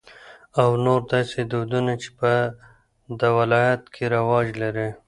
او نور داسې دودنه چې په د ولايت کې رواج لري.